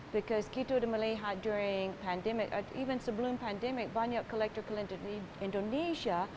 because kita sudah melihat during pandemic even sebelum pandemic banyak collector ke indonesia